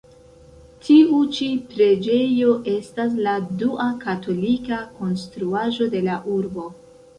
Tiu ĉi preĝejo estas la dua katolika konstruaĵo de la urbo.